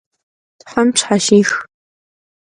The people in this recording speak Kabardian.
Them pşheşix!